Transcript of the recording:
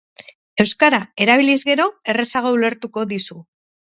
Euskara erabiliz gero, errazago ulertuko dizu.